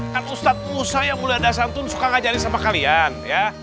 kan ustadz musa yang mulia dasan tun suka ngajarin sama kalian ya